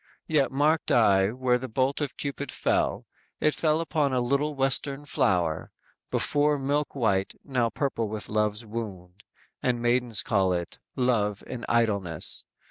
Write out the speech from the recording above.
Yet marked I where the bolt of Cupid fell; It fell upon a little Western flower Before milk white; now purple with love's wound And maidens call it 'love in idleness.'